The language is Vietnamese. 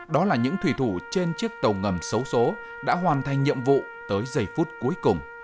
đó là những thủy thủ trên chiếc tàu ngầm xấu xố đã hoàn thành nhiệm vụ tới giây phút cuối cùng